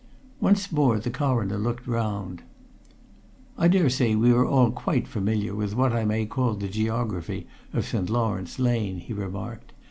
Once more the Coroner looked round. "I dare say we are all quite familiar with what I may call the geography of St. Lawrence Lane," he remarked.